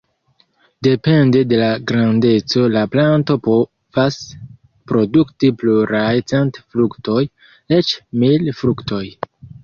Depende de la grandeco la planto povas produkti pluraj cent fruktoj, eĉ mil fruktoj.